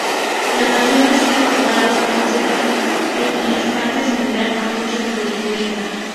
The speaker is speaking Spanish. La canción ha sido comparado con ser estilísticamente similar a muchas de Flo-Rida.